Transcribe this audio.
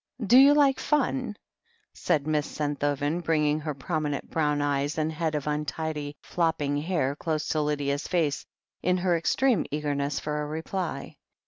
"Do you like funf" said Miss Senthoven, bringing her prominent brown eyes and head of untidy, flopping hair close to Lydia's face in her extreme eagerness for a reply.